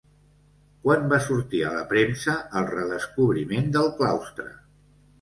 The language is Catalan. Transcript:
Quan va sortir a la premsa el redescobriment del claustre?